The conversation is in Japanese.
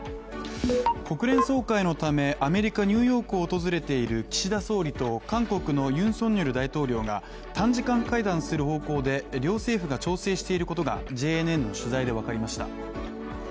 国連総会のためアメリカ・ニューヨークを訪れている岸田総理と、韓国のユン・ソンニョル大統領が短時間会談する方向で両政府が調整していることがＪＮＮの取材で分かりました。